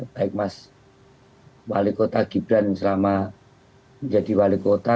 baik mas wali kota gibran selama menjadi wali kota